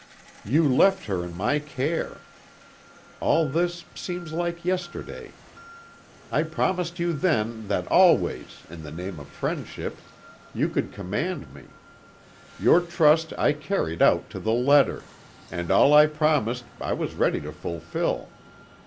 You left her in my care. All this seems like yesterday. I promised you then that always, in the name of friendship, you could command me. Your trust I carried out to the letter, and all I promised I was ready to fulfil.